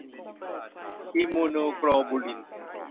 อิมมูโนโกลบูลิน